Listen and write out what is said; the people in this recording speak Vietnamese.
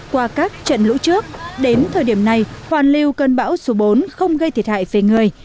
qua các trận lũ trước đến thời điểm này hoàn lưu cơn bão số bốn không gây thiệt hại về người